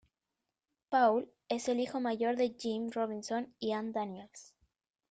Paul es el hijo mayor de Jim Robinson y Ann Daniels.